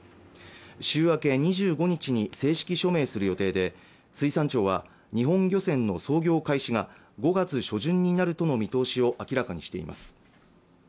週明け２５日に正式署名する予定で水産庁は日本漁船の操業開始が５月初旬になるとの見通しを明らかにしています